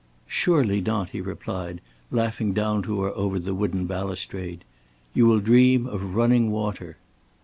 "Surely not," he replied, laughing down to her over the wooden balustrade. "You will dream of running water."